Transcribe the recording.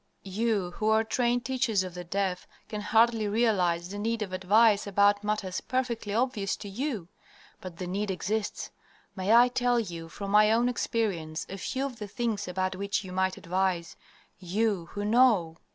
"You who are trained teachers of the deaf can hardly realize the need of advice about matters perfectly obvious to YOU; but the need exists. May I tell you from my own experience a few of the things about which you might advise you, who know!